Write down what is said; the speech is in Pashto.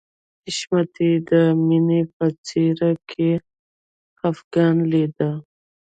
حشمتي به د مینې په څېره کې خفګان لیده